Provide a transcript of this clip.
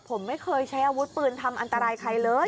ผมไม่เคยใช้อาวุธปืนทำอันตรายใครเลย